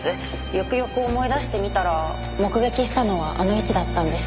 よくよく思い出してみたら目撃したのはあの位置だったんです。